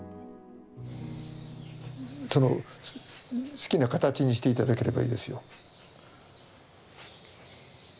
好きな形にして頂ければいいですよ。